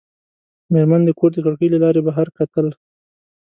مېرمن د کور د کړکۍ له لارې بهر کتل.